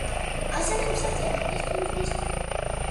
ასევე მზარდია ქვეყნის ტურისტული სექტორი.